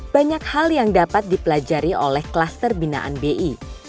banyak hal yang dapat dipelajari oleh klaster binaan bi